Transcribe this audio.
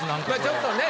ちょっとね。